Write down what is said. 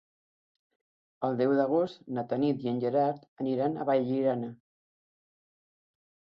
El deu d'agost na Tanit i en Gerard aniran a Vallirana.